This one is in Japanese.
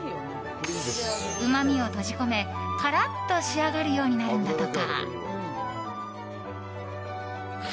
うまみを閉じ込め、カラッと仕上がるようになるんだとか。